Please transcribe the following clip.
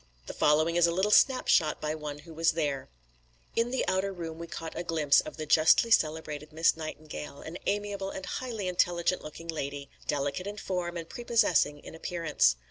The following is a little snapshot by one who was there: "In the outer room we caught a glimpse of the justly celebrated Miss Nightingale, an amiable and highly intelligent looking lady, delicate in form and prepossessing in appearance.